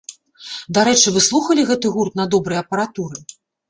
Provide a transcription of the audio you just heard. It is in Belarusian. Дарэчы, вы слухалі гэты гурт на добрай апаратуры?